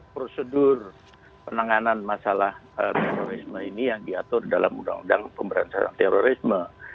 prosedur penanganan masalah terorisme ini yang diatur dalam undang undang pemberantasan terorisme